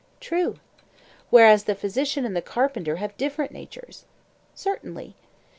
True. Whereas the physician and the carpenter have different natures? Certainly.